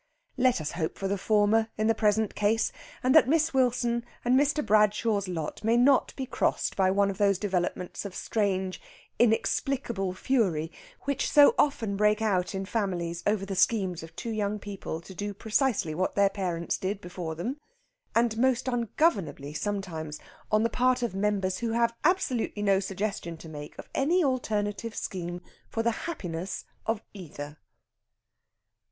Let us hope for the former in the present case, and that Miss Wilson and Mr. Bradshaw's lot may not be crossed by one of those developments of strange inexplicable fury which so often break out in families over the schemes of two young people to do precisely what their parents did before them; and most ungovernably, sometimes, on the part of members who have absolutely no suggestion to make of any alternative scheme for the happiness of either.